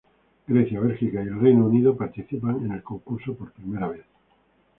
Grecia, Belgica y el Reino unido participan en el concurso por primera vez.